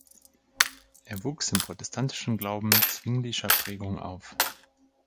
Er wuchs im protestantischen Glauben Zwingli’scher Prägung auf.